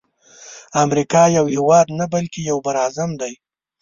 امریکا یو هیواد نه بلکی یو بر اعظم دی.